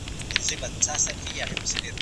اوښکي چي مي ولاړې زړه ارام سولو